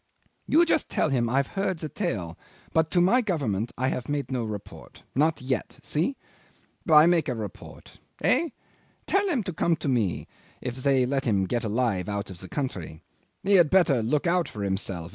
You just tell him I've heard the tale, but to my Government I have made no report. Not yet. See? Why make a report? Eh? Tell him to come to me if they let him get alive out of the country. He had better look out for himself.